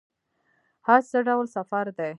حج څه ډول سفر دی؟